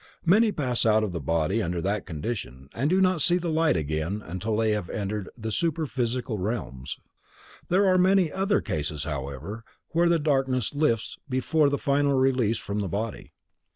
Many pass out from the body under that condition, and do not see the light again until they have entered the super physical realms. There are many other cases however, where the darkness lifts before the final release from the body.